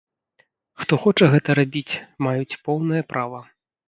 Хто хоча гэта рабіць, маюць поўнае права.